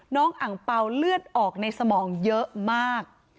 อังเปล่าเลือดออกในสมองเยอะมาก